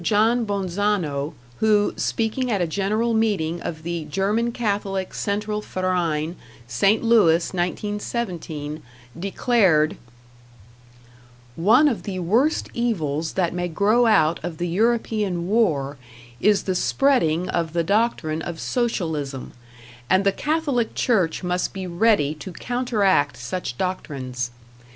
John Bonzano, who, speaking at a general meeting of the German Catholic Central Verein, St. Louis, 1917, declared: One of the worst evils that may grow out of the European war is the spreading of the doctrine of Socialism, and the Catholic Church must be ready to counteract such doctrines.